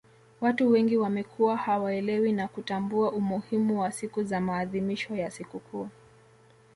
watu wengi wamekuwa hawaelewi na kutambua umuhimu wa siku za maadhimisho ya sikukuu